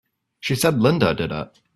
She said Linda did it!